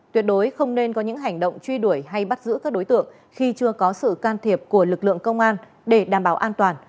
tuyệt đối không nên có những hành động truy đuổi hay bắt giữ các đối tượng khi chưa có sự can thiệp của lực lượng công an để đảm bảo an toàn